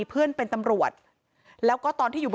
แต่เธอก็ไม่ละความพยายาม